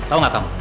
tau nggak pak